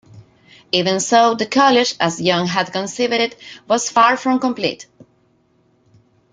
Even so, the college, as Young had conceived it, was far from complete.